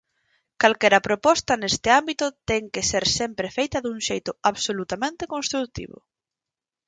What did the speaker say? Calquera proposta neste ámbito ten que ser sempre feita dun xeito absolutamente construtivo.